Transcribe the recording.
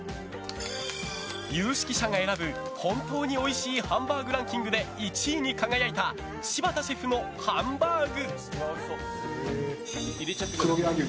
有識者が選ぶ、本当においしいハンバーグランキングで１位に輝いた柴田シェフのハンバーグ！